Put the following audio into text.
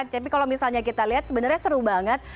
tapi kalau misalnya kita lihat sebenarnya seru banget